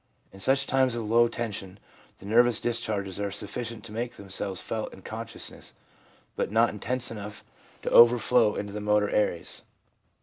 In such times of low tension the nervous discharges are sufficient to make themselves felt in consciousness, but not intense enough to overflow into the motor areas.